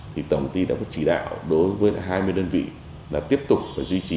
thì tổng ty đã có chỉ đạo đối với hai mươi đơn vị là tiếp tục phải duy trì